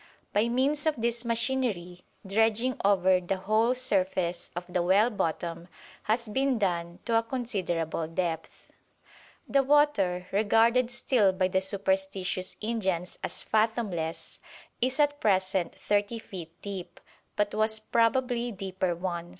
By means of this machinery dredging over the whole surface of the well bottom has been done to a considerable depth. The water, regarded still by the superstitious Indians as fathomless, is at present thirty feet deep, but was probably deeper once.